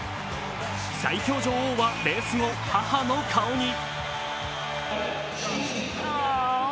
最強女王はレース後、母の顔に。